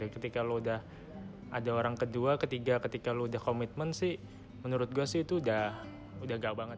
ketika lo udah ada orang kedua ketiga ketika lo udah komitmen sih menurut gue sih itu udah gak banget